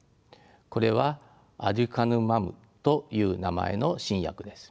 これはアデュカヌマブという名前の新薬です。